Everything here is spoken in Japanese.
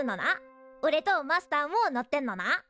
おれとマスターも乗ってんのな。